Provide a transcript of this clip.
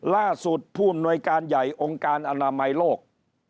ล่าสุดอภูมิบนหน่วยการใหญ่องค์การอนามัยโลก